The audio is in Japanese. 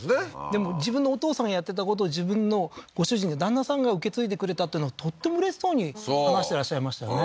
でも自分のお父さんがやってたことを自分のご主人旦那さんが受け継いでくれたっていうのとってもうれしそうに話してらっしゃいましたよね